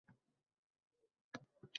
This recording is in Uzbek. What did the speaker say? Quloqlarimga ishonmadim.